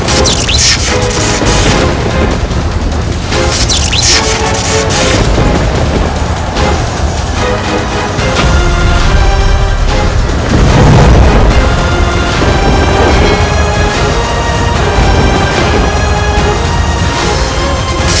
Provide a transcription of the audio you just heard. kau bisa menangkap aku